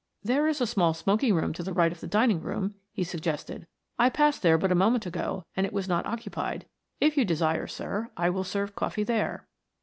"There is a small smoking room to the right of the dining room," he suggested. "I passed there but a moment ago and it was not occupied. If you desire, sir, I will serve coffee there."